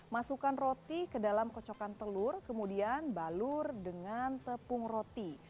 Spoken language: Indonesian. masukkan roti ke dalam kocokan telur kemudian balur dengan tepung roti